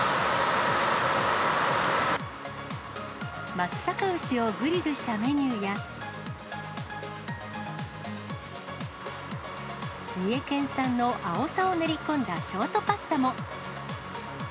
松阪牛をグリルしたメニューや、三重県産のアオサを練り込んだショートパスタも。